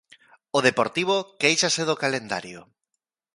O Deportivo quéixase do calendario.